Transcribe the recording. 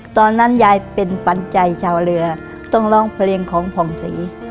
ตอนนั้นยายเป็นปันใจชาวเรือต้องร้องเพลงของผ่องศรี